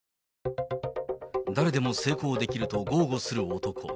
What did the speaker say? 誰でも成功できると豪語する男。